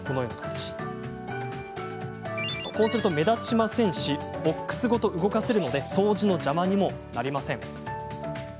目立ちませんしボックスごと動かせるので掃除の邪魔にもなりません。